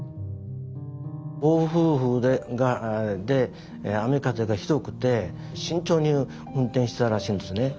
暴風雨で雨風がひどくて慎重に運転してたらしいんですね。